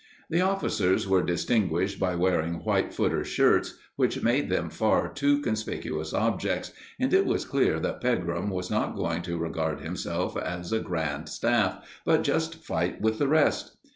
The officers were distinguished by wearing white footer shirts, which made them far too conspicuous objects, and it was clear that Pegram was not going to regard himself as a Grand Staff, but just fight with the rest.